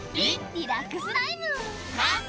リラックスタイム。